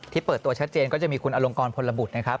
เปิดตัวชัดเจนก็จะมีคุณอลงกรพลบุตรนะครับ